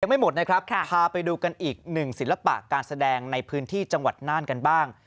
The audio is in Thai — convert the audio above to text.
ไม่หมดนะครับพาไปดูกันอีกหนึ่งศิลปะการแสดงในพื้นที่จังหวัดน่านกันบ้าง